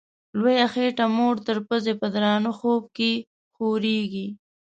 لویه خېټه موړ تر پزي په درانه خوب کي خوریږي